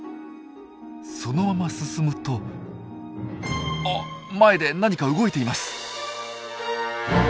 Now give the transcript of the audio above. そのまま進むとあっ前で何か動いています！